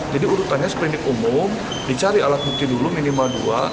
jadi urutannya sprindik umum dicari alat bukti dulu minimal dua